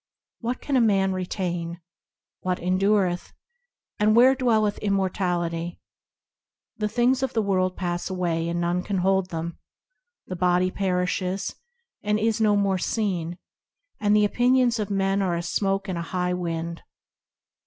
What can a man retain ? What endureth ? And where dwelleth immortality ? The things of the world pass away, and none can hold them ; The body perishes, and is no more seen ; And the opinions of men are as smoke in a high wind.